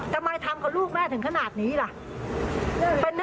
ทำไมทำกับลูกแม่ถึงขนาดนี้ล่ะ